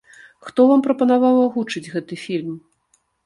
Хто вам прапанаваў агучыць гэты фільм?